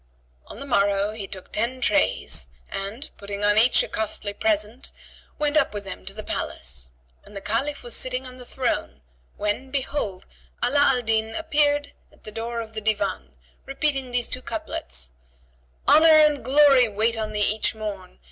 On the morrow he took ten trays and, putting on each a costly present, went up with them to the palace; and the Caliph was sitting on the throne when, behold, Ala al Din appeared at the door of the Divan, repeating these two couplets, "Honour and Glory wait on thee each morn!